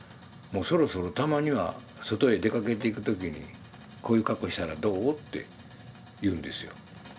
「もうそろそろたまには外へ出かけていく時にこういう格好したらどう？」って言うんですよ。